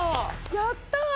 やったー！